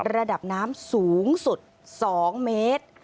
ระดับน้ำสูงสุด๒เมตร